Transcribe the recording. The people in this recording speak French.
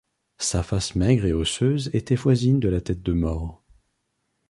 Sa face maigre et osseuse était voisine de la tête de mort.